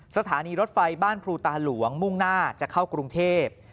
สถานีรถไฟบ้านภูตาหลวงมุ่งหน้าจะเข้ากรุงเทพ